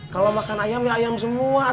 kalau makan ayam ya ayam semua